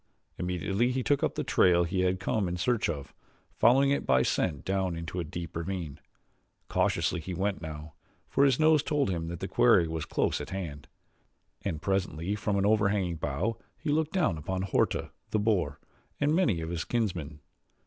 Immediately he took up the trail he had come in search of, following it by scent down into a deep ravine. Cautiously he went now, for his nose told him that the quarry was close at hand, and presently from an overhanging bough he looked down upon Horta, the boar, and many of his kinsmen.